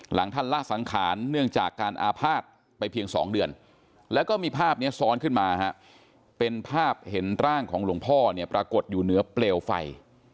ท่านละสังขารเนื่องจากการอาภาษณ์ไปเพียง๒เดือนแล้วก็มีภาพนี้ซ้อนขึ้นมาเป็นภาพเห็นร่างของหลวงพ่อเนี่ยปรากฏอยู่เหนือเปลวไฟ